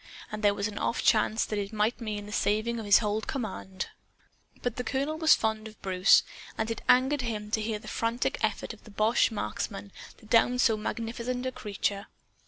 And there was an off chance that it might mean the saving of his whole command. But the colonel was fond of Bruce, and it angered him to hear the frantic effort of the boche marksmen to down so magnificent a creature.